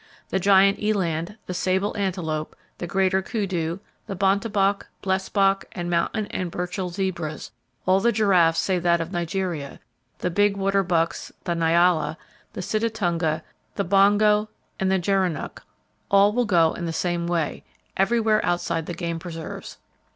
The giant eland, the sable antelope, the greater kudu, the bontebok, blessbok, the mountain and Burchell zebras, all the giraffes save that of Nigeria, the big waterbucks, the nyala, the sitatunga, the bongo, and the gerenuk—all will go in the same way, everywhere outside the game preserves.